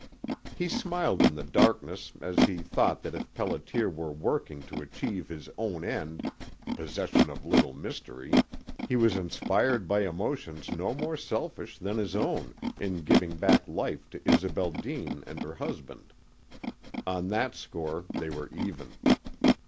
He smiled in the darkness as he thought that if Pelliter were working to achieve his own end possession of Little Mystery he was inspired by emotions no more selfish than his own in giving back life to Isobel Deane and her husband. On that score they were even.